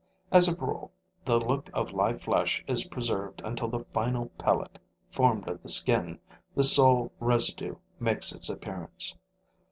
As a rule, the look of live flesh is preserved until the final pellet, formed of the skin, the sole residue, makes its appearance.